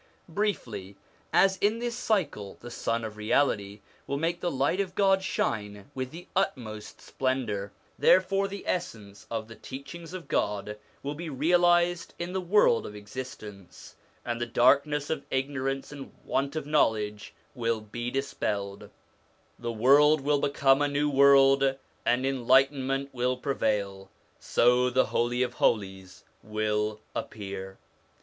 Briefly, as in this cycle the Sun of Reality will make the light of God shine with the utmost splendour, therefore the essence of the teachings of God will be realised in the world of existence, and the darkness of ignorance and want of knowledge will be dispelled; the world will become a new world, and enlightenment will prevail. So the Holy of Holies will appear.